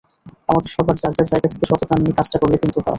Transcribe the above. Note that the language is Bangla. আমাদের সবার যার যার জায়গা থেকে সততা নিয়ে কাজটা করলে কিন্তু হয়।